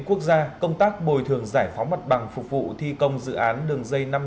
quốc gia công tác bồi thường giải phóng mặt bằng phục vụ thi công dự án đường dây